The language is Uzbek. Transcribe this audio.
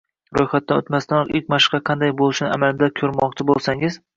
Ro’yxatdan o’tmasdanoq ilk mashqlar qanday bo’lishini amalda ko’rmoqchi bo’lsangiz